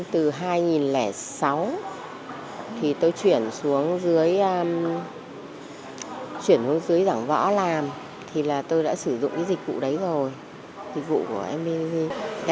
từ hai nghìn sáu tôi chuyển xuống dưới giảng võ làm tôi đã sử dụng dịch vụ đấy rồi dịch vụ của mbg